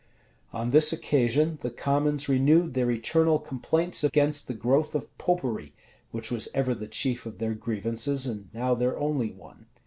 On this occasion, the commons renewed their eternal complaints against the growth of Popery, which was ever the chief of their grievances, and now their only one.